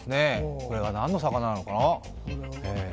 これが何の魚なのかな。